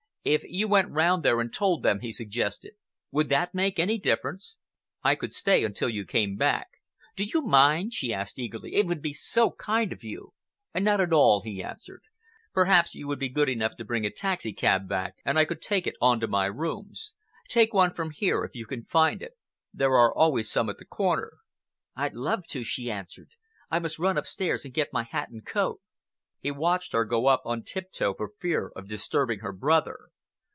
"If you went round there and told them," he suggested, "would that make any difference? I could stay until you came back." "Do you mind?" she asked eagerly. "It would be so kind of you." "Not at all," he answered. "Perhaps you would be good enough to bring a taxicab back, and I could take it on to my rooms. Take one from here, if you can find it. There are always some at the corner." "I'd love to," she answered. "I must run upstairs and get my hat and coat." He watched her go up on tiptoe for fear of disturbing her brother.